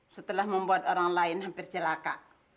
setelah membuat orang lain hampir celaka